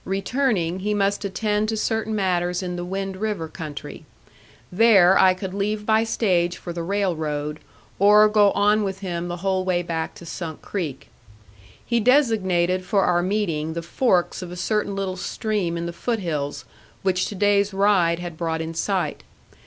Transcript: Returning, he must attend to certain matters in the Wind River country. There I could leave by stage for the railroad, or go on with him the whole way back to Sunk Creek. He designated for our meeting the forks of a certain little stream in the foot hills which to day's ride had brought in sight.